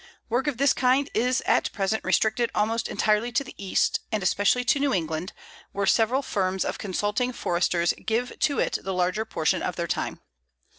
Work of this kind is at present restricted almost entirely to the East, and especially to New England, where several firms of consulting Foresters give to it the larger portion of their time.